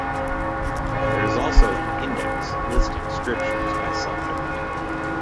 There is also an index listing scriptures by subject.